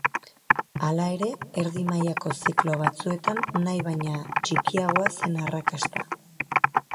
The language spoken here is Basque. Hala ere, erdi-mailako ziklo batzuetan nahi baino txikiagoa zen arrakasta.